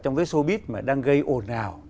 trong cái showbiz mà đang gây ổn hào